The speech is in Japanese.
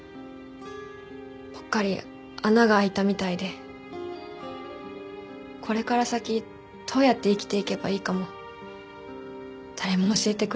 ぽっかり穴が開いたみたいでこれから先どうやって生きていけばいいかも誰も教えてくれなくて。